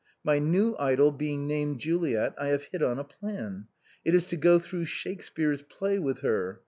My new idol being named Juliet, I have hit on a plan. It is to go through Shakespeare's play with her.